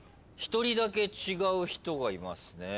１人だけ違う人がいますね。